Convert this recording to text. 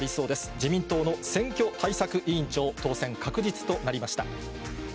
自民党の選挙対策委員長、当選確実となりました。